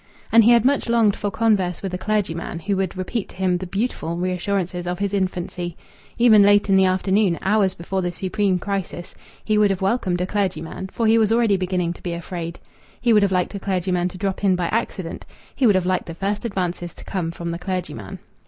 And he had much longed for converse with a clergyman, who would repeat to him the beautiful reassurances of his infancy. Even late in the afternoon, hours before the supreme crisis, he would have welcomed a clergyman, for he was already beginning to be afraid. He would have liked a clergyman to drop in by accident; he would have liked the first advances to come from the clergyman.